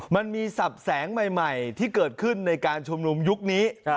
มันมีสับแสงใหม่ที่เกิดขึ้นในการชุมนุมยุคนี้